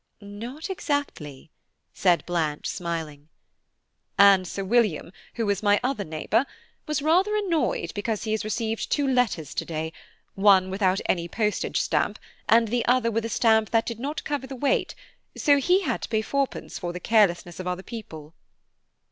"Not exactly," said Blanche, smiling. "And Sir William, who was my other neighbour, was rather annoyed because he has received two letters to day, one without any postage stamp, and the other with a stamp that did not cover the weight, so he had to pay fourpence for the carelessness of other people."